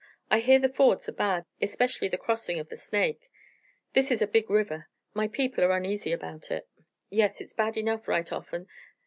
I hear the fords are bad, especially the crossing of the Snake. This is a big river. My people are uneasy about it." "Yes, hit's bad enough, right often.